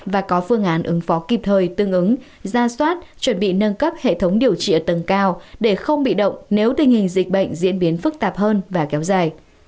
và có phương án ứng phó kịp thời tương ứng ra soát chuẩn bị nâng cấp hệ thống điều trị ở tầng cao để không bị động nếu tình hình dịch bệnh diễn biến phức tạp hơn và kéo dài